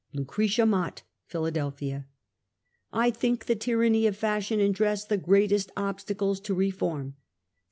"' LUCRETIA MOTT, Philadelphia. I think the tyranny of fashion in dress the great est obstacles to reform.